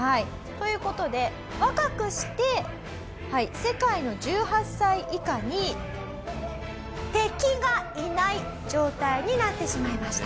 という事で若くして世界の１８歳以下に敵がいない状態になってしまいました。